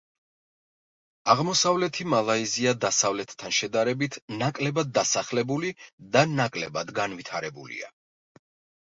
აღმოსავლეთი მალაიზია დასავლეთთან შედარებით ნაკლებად დასახლებული და ნაკლებად განვითარებულია.